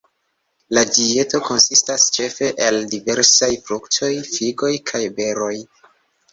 La dieto konsistas ĉefe el diversaj fruktoj, figoj kaj beroj.